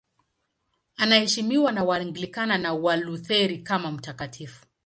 Anaheshimiwa na Waanglikana na Walutheri kama mtakatifu.